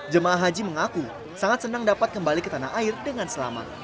jemaah haji mengaku sangat senang dapat kembali ke tanah air dengan selamat